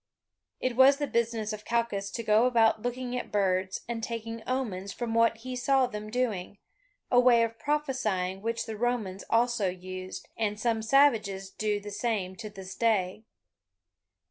It was the business of Calchas to go about looking at birds, and taking omens from what he saw them doing, a way of prophesying which the Romans also used, and some savages do the same to this day.